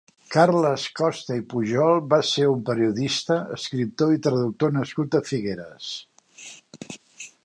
Carles Costa i Pujol va ser un periodista, escriptor i traductor nascut a Figueres.